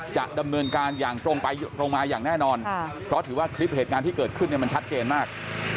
จะดำเนินการอย่างตรงไปตรงมาอย่างแน่นอนเพราะถือว่าคลิปเหตุการณ์ที่เกิดขึ้นเนี่ยมันชัดเจนมาก